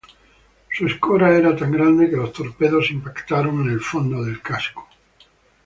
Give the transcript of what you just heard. Su escora era tan grande que los torpedos impactaron en el fondo del casco.